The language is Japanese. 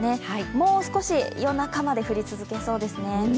もう少し、夜中まで降り続きそうですね。